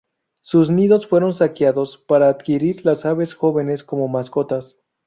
Sus nidos fueron saqueados para adquirir las aves jóvenes como mascotas.